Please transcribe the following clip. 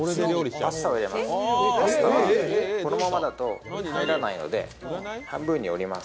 パスタはこのままだと入らないので半分に折ります。